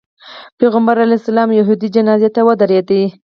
پیغمبر علیه السلام یهودي جنازې ته ودرېده.